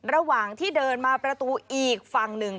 ระหว่างที่เดินมาประตูอีกฝั่งหนึ่ง